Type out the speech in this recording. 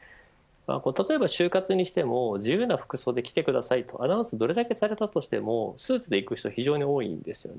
例えば就活にしても自由な服装で来てくださいとアナウンスどれだけされたとしてもスーツで行く人が非常に多いです。